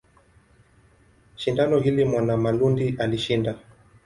Shindano hili Mwanamalundi alishinda.